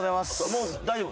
もう大丈夫？